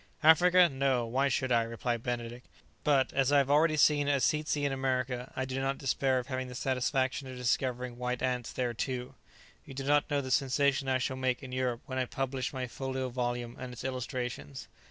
"Africa! no; why should I?" replied Benedict; "but, as I have already seen a tzetsy in America, I do not despair of having the satisfaction of discovering white ants there too. You do not know the sensation I shall make in Europe when I publish my folio volume and its illustrations."